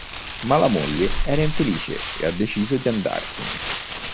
Ma la moglie era infelice e ha deciso di andarsene.